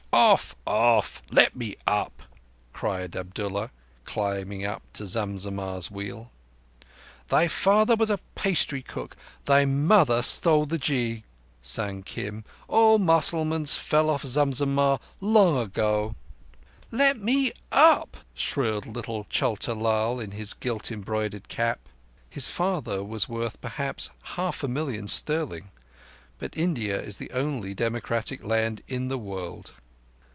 "Off! Off! Let me up!" cried Abdullah, climbing up Zam Zammah's wheel. "Thy father was a pastry cook, Thy mother stole the ghi," sang Kim. "All Mussalmans fell off Zam Zammah long ago!" "Let me up!" shrilled little Chota Lal in his gilt embroidered cap. His father was worth perhaps half a million sterling, but India is the only democratic land in the world.